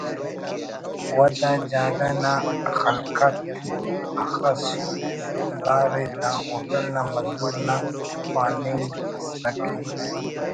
ودا جاگہ نا خلقت اخس شوندار ءِ دا ہوٹل نا مزور نا پاننگ ئس کہ